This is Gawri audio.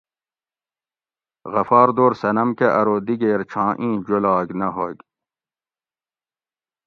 غفار دور صنم کہ ارو دیگیر چھاں ایں جولاگ نہ ھوگ